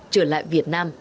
trở lại việt nam